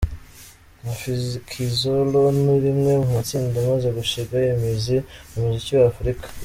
Mafikizolo ni rimwe mu matsinda amaze gushinga imizi mu muziki wa Afurika.